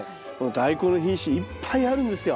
ダイコンの品種いっぱいあるんですよ。